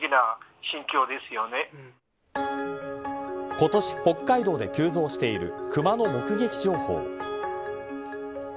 今年北海道で急増している熊の目撃情報。